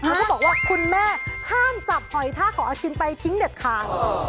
เขาบอกว่าคุณแม่ห้ามจับหอยท่าของอาคินไปทิ้งเด็ดขาด